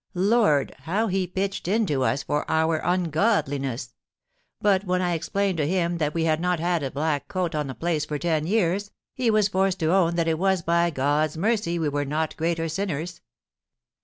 Lord 1 how he pitched into us for our ungodliness ; but when I ex plained to him that we had not had a black coat on the place for ten years, he was forced to own that it was by God*s mercy we were not greater sinners.